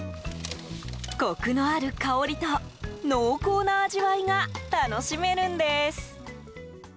コクのある香りと濃厚な味わいが楽しめるんです。